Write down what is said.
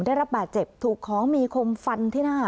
ได้รับบาดเจ็บถูกของมีคมฟันที่หน้า